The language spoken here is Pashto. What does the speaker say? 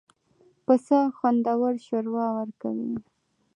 پسه خوندور شوروا ورکوي.